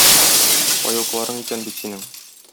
Паекларың икән бит синең...